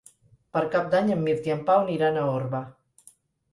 Per Cap d'Any en Mirt i en Pau aniran a Orba.